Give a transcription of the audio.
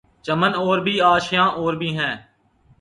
چمن اور بھی آشیاں اور بھی ہیں